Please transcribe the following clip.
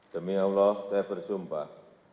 demi allah saya bersumpah